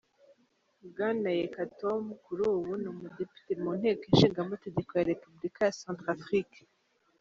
Bwana Yekatom kuri ubu ni umudepite mu nteko ishingamategeko ya Repubulika ya Centrafrique.